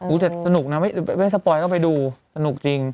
อู๋แต่สนุกนะไม่สปอยต้องไปดูสนุกจริง